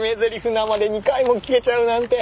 生で２回も聞けちゃうなんて！